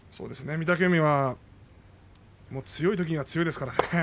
御嶽海は強いときには強いですからね。